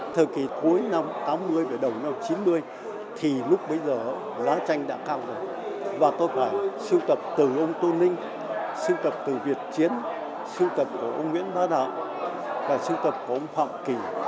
thời kỳ cuối năm tám mươi và đầu năm chín mươi thì lúc bây giờ lá tranh đã cao rồi và tôi phải sưu tập từ ông tô ninh sưu tập từ việt chiến sưu tập của ông nguyễn bá đạo và sưu tập của ông phạm kỳ